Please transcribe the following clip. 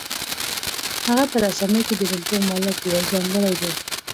هغه په رسامۍ کې د نبوغ مالک وي او ځانګړی دی.